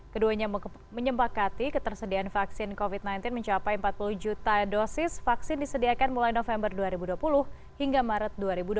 keduanya menyempakati ketersediaan vaksin covid sembilan belas mencapai empat puluh juta dosis vaksin disediakan mulai november dua ribu dua puluh hingga maret dua ribu dua puluh